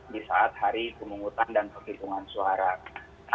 di saat hari pemungutan dan penghitungan suara